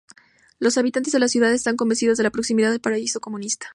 Los habitantes de la ciudad están convencidos de la proximidad del paraíso comunista.